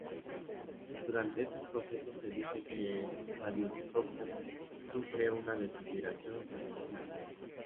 Durante esos procesos, se dice que el radioisótopo sufre una desintegración radiactiva.